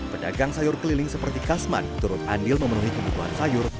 pedagang sayur keliling seperti kasman turut andil memenuhi kebutuhan sayur